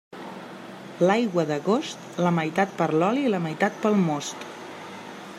L'aigua d'agost, la meitat per l'oli i la meitat pel most.